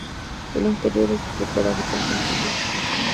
El interior está decorado con sencillez.